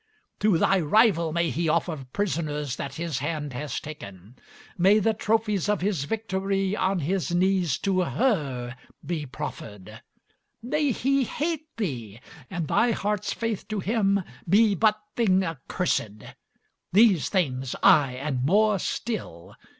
To thy rival may he offer prisoners that his hand has taken! May the trophies of his victory on his knees to her be proffered! May he hate thee! and thy heart's faith to him be but thing accursed! These things, aye and more still!